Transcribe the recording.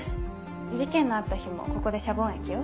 事件のあった日もここでシャボン液を？